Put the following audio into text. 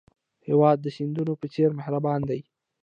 هېواد د سیندونو په څېر مهربان دی.